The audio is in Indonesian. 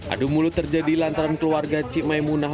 adu mulut terjadi lantaran keluarga cik maimunah